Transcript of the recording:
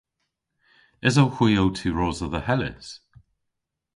Esowgh hwi ow tiwrosa dhe Hellys?